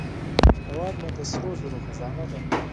هیواد مې د سرو زرو خزانه ده